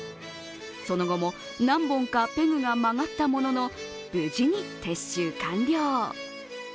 その後も何本かペグが曲がったものの、無事に撤収完了。